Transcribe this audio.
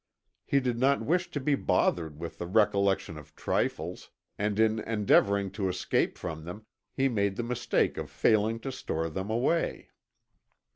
He did not wish to be bothered with the recollection of trifles, and in endeavoring to escape from them, he made the mistake of failing to store them away.